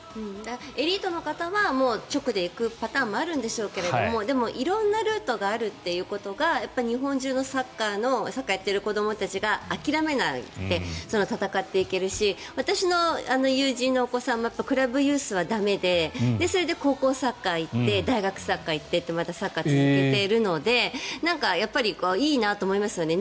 エリートの方は直で行くパターンもあるんでしょうけどでも色んなルートがあるということが日本中のサッカーをやっている子どもたちが諦めないで戦っていけるし私の友人のお子さんがやっぱりクラブユースは駄目でそれで高校サッカーに行って大学サッカーに行ってまたサッカー続けているのでやっぱりいいなと思いますよね。